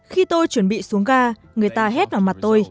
khi tôi chuẩn bị xuống ga người ta hết vào mặt tôi